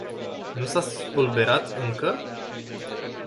Nu s-a spulberat inca?